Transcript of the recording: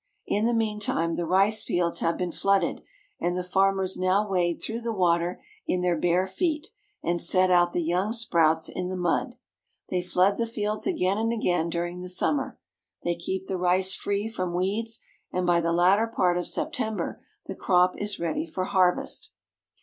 In the meantime the rice fields have been flooded, and the farmers now wade through the water in their bare feet, and set out the young sprouts in the mud. They flood the fields again and again during the summer. They keep the rice free from weeds, and by the latter part of Septem ber the crop is ready for harvest.